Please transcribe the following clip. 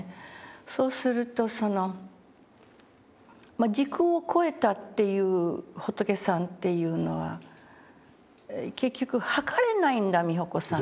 そうすると「時空を超えたという仏さんというのは結局測れないんだ美穂子さん」と。